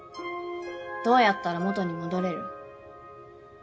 どうやったら元に戻れる？